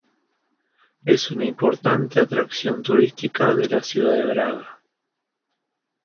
Es una importante atracción turística de la ciudad de Braga.